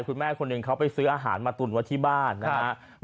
คุณแม่คนหนึ่งเขาไปซื้ออาหารมาตุนไว้ที่บ้านนะครับ